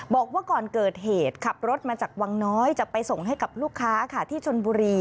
บอกว่าก่อนเกิดเหตุขับรถมาจากวังน้อยจะไปส่งให้กับลูกค้าค่ะที่ชนบุรี